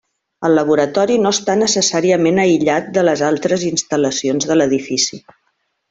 El laboratori no està necessàriament aïllat de les altres instal·lacions de l’edifici.